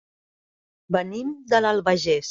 Venim de l'Albagés.